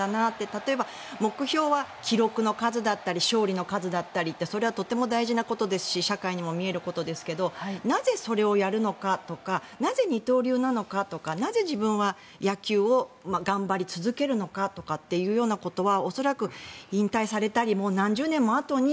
例えば目標は記録の数だったり勝利の数だったりってそれはとても大事なことですし社会にも見えることですけどなぜそれをやるのかとかなぜ二刀流なのかとかなぜ自分は野球を頑張り続けるのかとかっていうようなことは恐らく引退されたり何十年もあとに